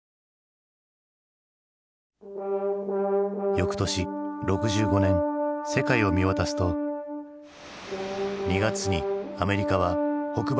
よくとし６５年世界を見渡すと２月にアメリカは北爆を開始。